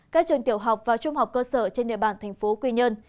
các trường tiểu học và trung học cơ sở trên địa bàn thành phố quy nhơn